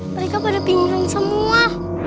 mereka pada bingung semua